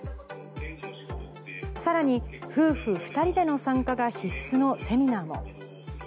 さらに、夫婦２人での参加が必須のセミナーも。